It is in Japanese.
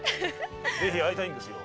ぜひ会いたいんですよ。